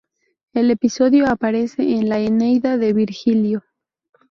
El episodio aparece en la "Eneida", de Virgilio.